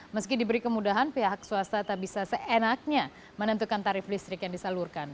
meski diberi kemudahan pihak swasta tak bisa seenaknya menentukan tarif listrik yang disalurkan